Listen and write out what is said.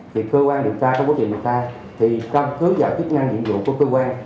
thì cơ quan điều tra trong quá trình điều tra thì trong cứu dọa chức năng nhiệm vụ của cơ quan